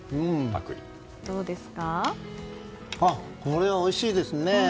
これはおいしいですね。